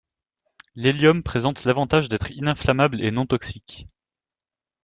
L'hélium présente l'avantage d'être ininflammable et non toxique.